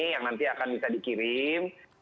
yang nanti akan bisa dikirim